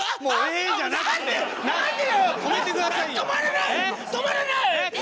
えっ止まらない！？